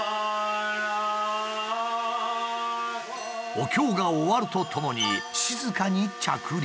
お経が終わるとともに静かに着陸。